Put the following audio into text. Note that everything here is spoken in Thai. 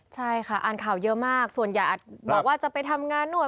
ใช่ค่ะอ่านข่าวเยอะมากส่วนใหญ่อาจบอกว่าจะไปทำงานนวด